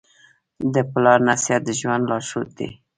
د پلار نصیحت د ژوند لارښود دی.